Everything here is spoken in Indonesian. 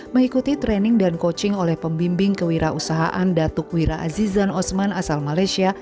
mengikuti training dan coaching oleh pembimbing kewirausahaan datuk wira azizan osman asal malaysia